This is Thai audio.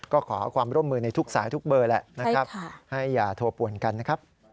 ก็ขอความร่วมมือในทุกสายทุกเบอร์แหละนะครับให้อย่าโทรป่วนกันนะครับ